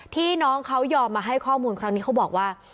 น้องเขายอมมาให้ข้อมูลครั้งนี้เขาบอกว่า